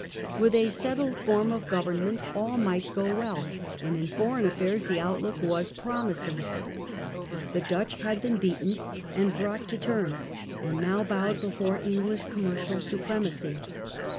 With a settled form of government all might go well, Peace with and in foreign affairs the outlook was pro HoUand. 1654. mising. The Dutch had been beaten and MILITARY DESPOTISM. 6$ brought to terms, and now bowed before English com mercial supremacy.